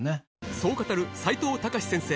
そう語る齋藤孝先生